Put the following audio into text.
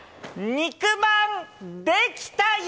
肉まん、できたよ！